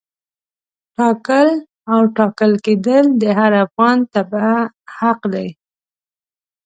ټاکل او ټاکل کېدل د هر افغان تبعه حق دی.